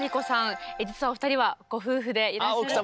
実はお二人はご夫婦でいらっしゃると。